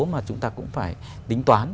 mà chúng ta cũng phải tính toán